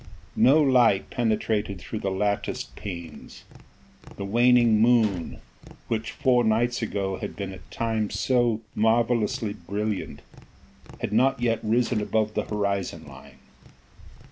No light penetrated through the latticed panes: the waning moon which four nights ago had been at times so marvellously brilliant, had not yet risen above the horizon line.